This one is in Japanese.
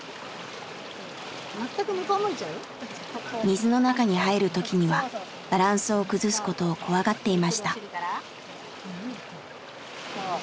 水の中に入る時にはバランスを崩すことを怖がっていました。